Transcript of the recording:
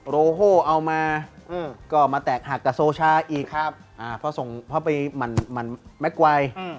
โรโฮเอามาก็มาแตกหักกับโซชาอีกครับเพราะส่งเข้าไปหมั่นแม็กไว